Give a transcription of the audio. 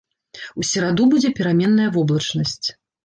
У сераду будзе пераменная воблачнасць.